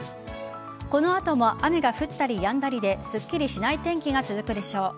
この後も雨が降ったりやんだりですっきりしない天気が続くでしょう。